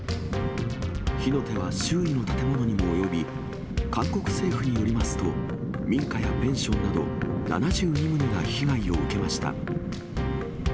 火の手は周囲の建物にも及び、韓国政府によりますと、民家やペンションなど、７２棟が被害を受けました。